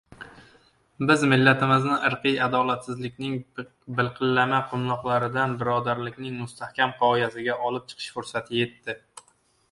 Bizning millatimizni irqiy adolatsizlikning bilqillama qumloqlaridan birodarlikning mustahkam qoyasiga olib chiqish fursati yetdi.